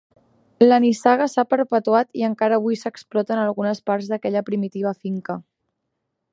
La nissaga s'ha perpetuat i encara avui s'exploten algunes parts d'aquella primitiva finca.